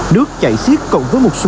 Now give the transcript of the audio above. nước chảy xiết cộng với một số